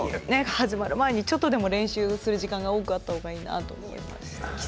始まる前にちょっとでも練習する時間が多くなった方がいいなと思って。